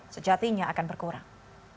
sejatinya akan berkurang